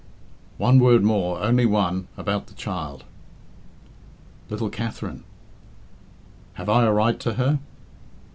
"One word more only one about the child." "Little Katherine!" "Have I a right to her?"